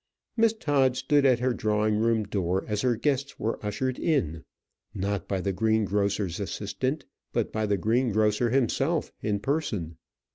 Miss Todd stood at her drawing room door as her guests were ushered in, not by the greengrocer's assistant, but by the greengrocer himself in person.